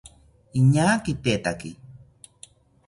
Iñaa kitetaki